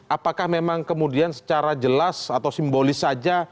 apakah memang kemudian secara jelas atau simbolis saja